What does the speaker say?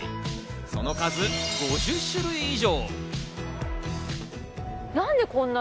その数、５０種類以上。